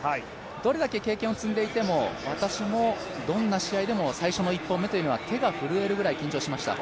どれだけ経験を積んでいても私も最初の試合でも最初の１本というのは手が震えるぐらい緊張しました。